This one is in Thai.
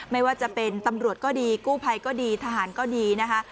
ไม่ว่าจะเป็นตำรวจก็ดีกู้ภัยก็ดีทหารก็ดีนะคะ